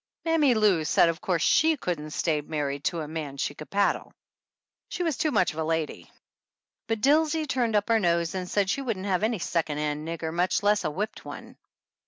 Mammy Lou said of course she couldn't stay married to 101 THE ANNALS OF ANN a man she could paddle. She was too much of a lady. But Dilsey turned up her nose and said she wouldn't have any second hand nigger, much less a whipped one.